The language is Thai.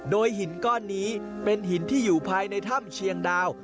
โดยหินก้อนนี้เป็นหินที่อยู่ภายในถ้ำเชียงดาว